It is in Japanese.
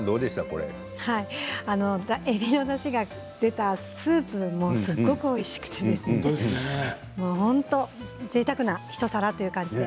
えびのだしが出たスープもすごくおいしくてぜいたくな一皿という感じです。